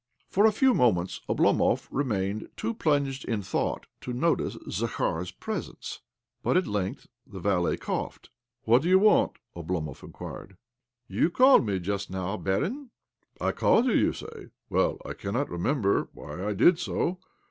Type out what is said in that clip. For a few moments Oblomov remained too plunged in thought to notice Zakhar's presence ; but at length the valet coughed. " What do you want? " Oblomov inquired. " You called me just now, barin »?"" I called you, you say ? Well, I cannot remember why I did so.